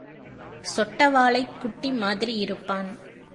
சொட்டவாளைக் குட்டி மாதிரியிருப்பான்.